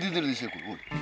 ここ。